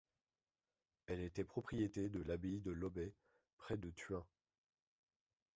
Elle était propriété de l'Abbaye de Lobbes près de Thuin.